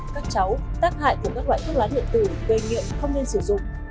các cháu tác hại của các loại thuốc lá điện tử gây nghiện không nên sử dụng